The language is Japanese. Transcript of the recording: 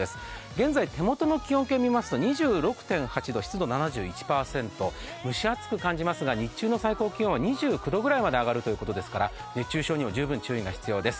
現在手元の気温計見ますと２６．８度、湿度７１％、蒸し暑く感じますが、日中の最高気温は２９度くらいまで上がりそうですから、熱中症にも十分注意が必要です。